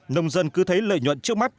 nông dân cứ thấy lợi nhuận trước mắt